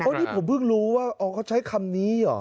นี่ผมเพิ่งรู้ว่าอ๋อเขาใช้คำนี้เหรอ